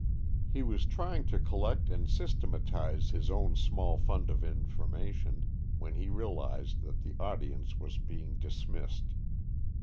He was trying to collect and systematize his own small fund of information when he realized that the audience was being dismissed.